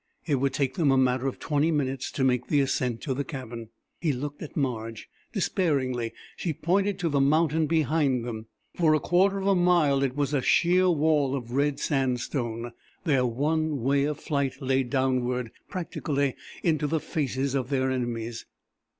It would take them a matter of twenty minutes to make the ascent to the cabin. He looked at Marge. Despairingly she pointed to the mountain behind them. For a quarter of a mile it was a sheer wall of red sandstone. Their one way of flight lay downward, practically into the faces of their enemies.